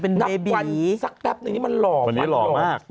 สักแต่ปั้งนี่นักวันนี้หล่อวันนี้หล่อมาก